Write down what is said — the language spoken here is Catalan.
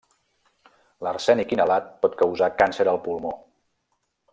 L'arsènic inhalat pot causar càncer al pulmó.